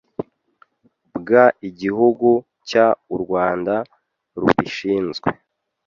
bw igihugu cy u Rwanda rubishinzwe